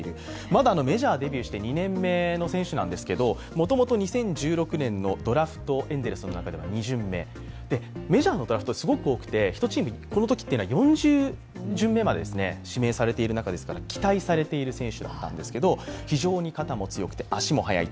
まだメジャーデビューして２年目の選手なんですが、もともと２０１６年のドラフト、エンゼルスの中では２巡目、メジャーのドラフトってすごく多くて４０巡目まで指名されている中ですから期待されている選手だったんですけども非常に肩も強くて足も速い。